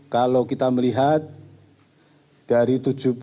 kalau kita melihat dari tujuh puluh delapan ratus dua puluh satu